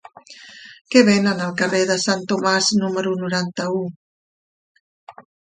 Què venen al carrer de Sant Tomàs número noranta-u?